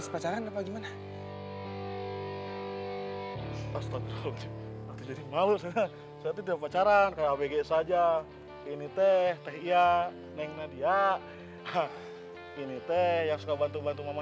teman teman smart smart kamu company apa suka suka